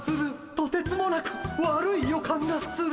とてつもなく悪い予感がする。